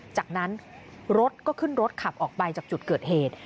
จากนั้นรถก็ขึ้นรถขับออกไปจากจุดเกิดเหตุ